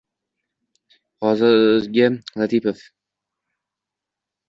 Hozirgi Latipov: